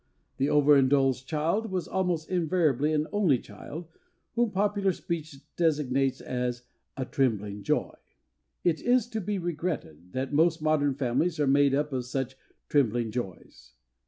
The over indulged child was almost invariably an only child whom popular speech designates a "trembling joy." It is to be regretted that most modern families are made up of such "trembling joys."